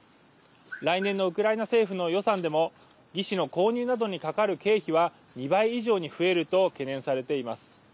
来年のウクライナ政府の予算でも義肢の購入などにかかる経費は２倍以上に増えると懸念されています。